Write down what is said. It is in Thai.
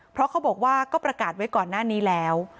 เพราะเขาบอกว่าก็ประกาศไว้ก่อนหน้านี้แล้ว